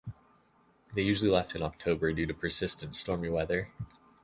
They usually left in October due to persistent stormy weather.